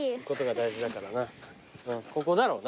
ここだろうな。